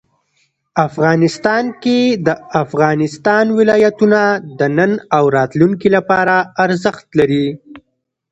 افغانستان کې د افغانستان ولايتونه د نن او راتلونکي لپاره ارزښت لري.